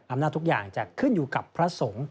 ทุกอย่างจะขึ้นอยู่กับพระสงฆ์